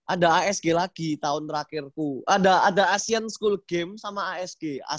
ada asg lagi tahun terakhirku ada asean school games sama asg asean school games